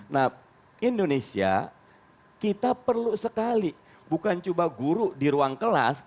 nah indonesia kita perlu sekali bukan cuma guru di ruang kelas